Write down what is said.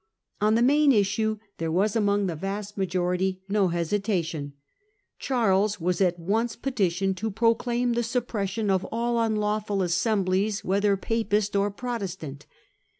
On the main issue there was among the vast majority no hesitation. Charles was at once petitioned to pro Failure of c * a * m suppression of all unlawful assemblies, of Charles's whether Papist or Protestant.